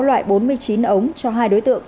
loại bốn mươi chín ống cho hai đối tượng